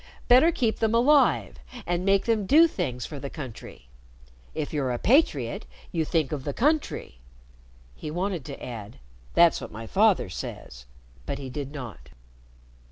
Better keep them alive and make them do things for the country. If you're a patriot, you think of the country." He wanted to add "That's what my father says," but he did not.